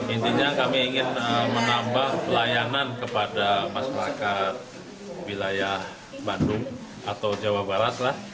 intinya kami ingin menambah layanan kepada masyarakat wilayah bandung atau jawa barat lah